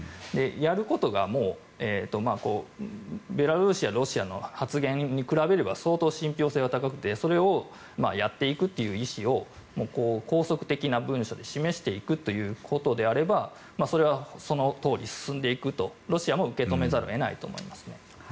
やることがベラルーシやロシアの発言に比べれば相当信ぴょう性が高くてそれをやっていくという意思を拘束的な文書で示していくということであればそれはそのとおり進んでいくとロシアも受け止めざるを得ないと思いますね。